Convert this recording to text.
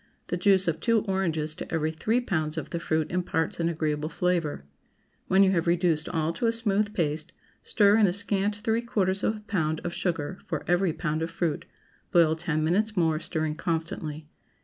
The juice of two oranges to every three pounds of the fruit imparts an agreeable flavor. When you have reduced all to a smooth paste, stir in a scant three quarters of a pound of sugar for every pound of fruit; boil ten minutes more, stirring constantly.